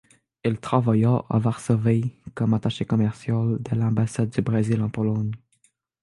Il travailla à Varsovie comme attaché commercial de l’ambassade du Brésil en Pologne.